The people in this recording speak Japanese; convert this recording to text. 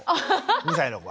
２歳の子が。